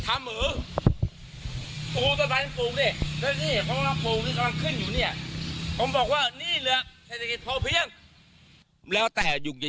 แต่การทำประโยชน์เพื่อสุขชนเนี่ยทำให้เจอประโยชน์ขึ้นหน้า